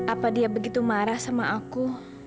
apa dia begitu marah sama aku